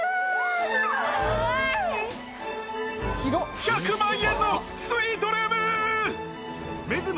１００万円のスイートルーム！メズム